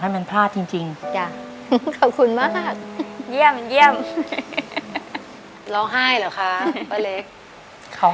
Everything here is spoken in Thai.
ขอบคุณมากเลยนะคะ